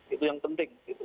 itu yang penting